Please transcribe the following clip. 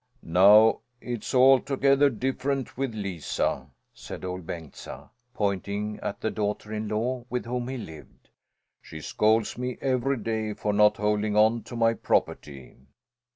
"Now it's altogether different with Lisa," said Ol' Bengtsa, pointing at the daughter in law with whom he lived. "She scolds me every day for not holding on to my property."